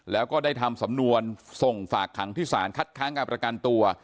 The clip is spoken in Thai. แล้วก็ได้ทำสำนวนส่งฝากขังที่ศาลคัดค้างการประกันตัว